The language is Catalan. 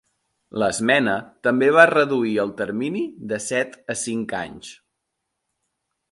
L'esmena també va reduir el termini de set a cinc anys.